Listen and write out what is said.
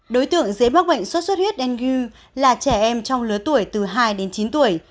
đối tượng dễ mắc bệnh suốt suốt huyết dengue là trẻ em trong lứa tuổi từ hai đến chín tuổi